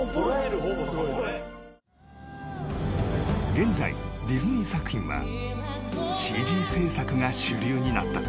［現在ディズニー作品はＣＧ制作が主流になった］